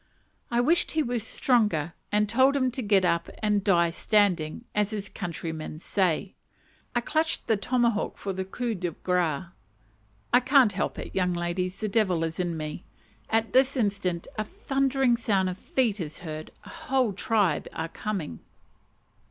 I wished he was stronger, and told him to get up and "die standing," as his countrymen say. I clutched the tomahawk for the coup de grace (I can't help it, young ladies, the devil is in me); at this instant a thundering sound of feet is heard a whole tribe are coming!